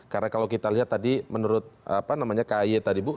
karena kalau kita lihat tadi menurut apa namanya kay tadi bu